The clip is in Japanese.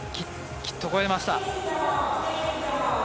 きっと超えました。